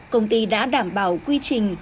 công ty đã đảm bảo quy trình